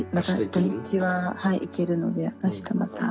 土日は行けるのであしたまた。